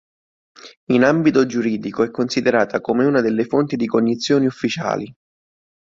In ambito giuridico è considerata come una delle fonti di cognizione ufficiali.